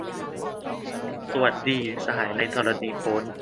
สวัสดีสหายในธรณีโพ้น